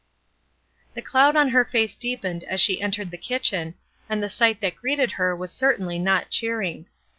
The cloud on her face deepened as she entered the kitchen, and the sight that greeted her was certainly not cheering.